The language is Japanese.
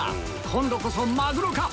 今度こそマグロか？